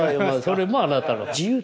それもあなたの自由。